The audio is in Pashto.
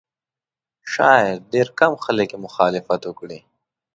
شاید ډېر کم خلک یې مخالفت وکړي.